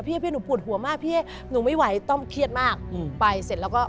พี่พี่หนูปวดหัวมากพี่หนูไม่ไหวต้องเครียดมากอืมไปเสร็จแล้วก็